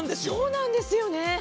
そうなんですよね。